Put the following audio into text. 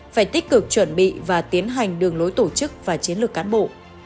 phải tích cực chuẩn bị và tiến hành đường lối tổ chức và chiến lược cán bộ